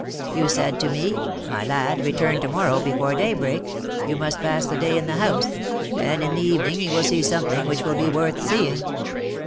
You said to me, 'My lad, return to morrow before daybreak; you must pass the day in the house, and in the evening you will see something which will be worth seeing.'